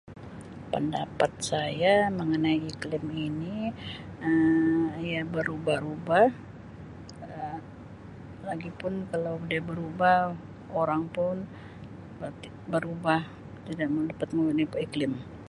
Pendapat saya mengenai iklim ini Um ia berubah-rubah Um lagipun kalau dia berubah orang pun ber-berubah tidak dapat mengikut iklim.